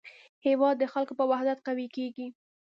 هېواد د خلکو په وحدت قوي کېږي.